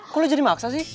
kok lo jadi maksa sih